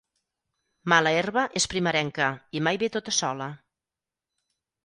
Mala herba és primerenca i mai ve tota sola.